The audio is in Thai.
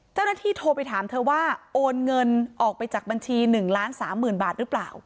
โทรไปถามเธอว่าโอนเงินออกไปจากบัญชี๑ล้าน๓๐๐๐บาทหรือเปล่า